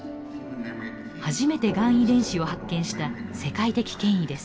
初めてがん遺伝子を発見した世界的権威です。